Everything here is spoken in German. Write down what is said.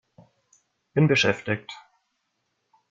Bin beschäftigt!